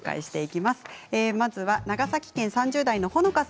まずは長崎県３０代の方。